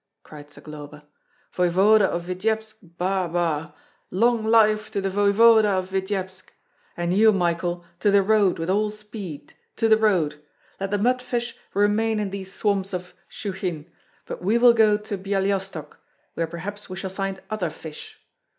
cried Zagloba. "Voevoda of Vityebsk, ba! ba! Long life to the voevoda of Vityebsk! And you, Michael, to the road with all speed, to the road! Let the mudfish remain in these swamps of Shchuchyn, but we will go to Byalystok, where perhaps we shall find other fish.